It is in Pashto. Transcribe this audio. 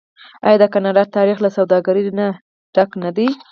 آیا د کاناډا تاریخ له سوداګرۍ ډک نه دی؟